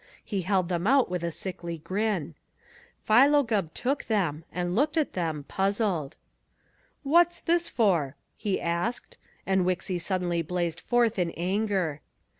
He held them out with a sickly grin. Philo Gubb took them and looked at them, puzzled. "What's this for?" he asked, and Wixy suddenly blazed forth in anger.